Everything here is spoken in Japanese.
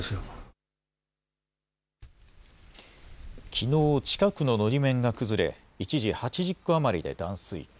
きのう、近くののり面が崩れ、一時、８０戸余りで断水。